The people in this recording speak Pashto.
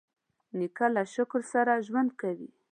نیکه له شکر سره ژوند کوي.